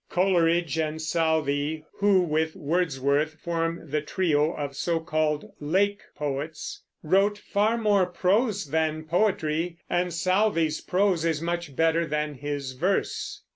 Coleridge and Southey (who with Wordsworth form the trio of so called Lake Poets) wrote far more prose than poetry; and Southey's prose is much better than his verse.